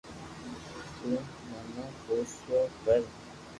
تو موتو ڀروسو ڪر